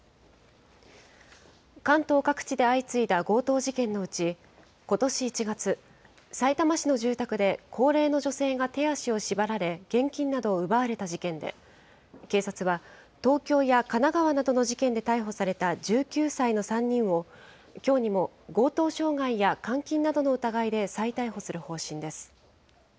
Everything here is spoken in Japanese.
関東各地で相次いだ強盗事件のうち、ことし１月、さいたま市の住宅で高齢の女性が手足を縛られ現金などを奪われた事件で、警察は、東京や神奈川などの事件で逮捕された１９歳の３人を、きょうにも強盗傷害や監禁などの疑いで再逮捕する方針です。